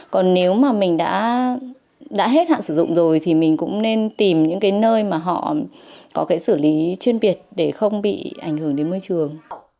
còn nếu mà mình đã hết hạn sử dụng rồi thì mình cũng nên tìm những cái nơi mà họ có cái xử lý chuyên biệt để không bị ảnh hưởng đến môi trường